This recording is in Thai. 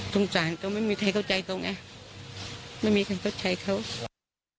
สงสารก็ไม่มีใครเข้าใจตรงไงไม่มีใครเข้าใจเขา